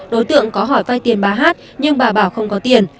đối tượng có hỏi vay tiền bà hát nhưng bà bảo không có tiền